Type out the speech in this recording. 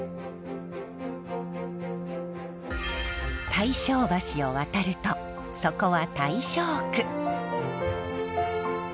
大正橋を渡るとそこは大正区。